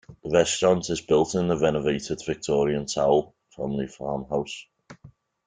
The restaurant is built in the renovated, Victorian Towle family farmhouse.